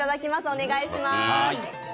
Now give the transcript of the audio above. お願いします。